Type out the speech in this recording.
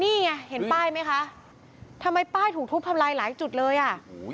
นี่ไงเห็นป้ายไหมคะทำไมป้ายถูกทุบทำลายหลายจุดเลยอ่ะ